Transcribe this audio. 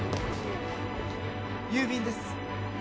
郵便です。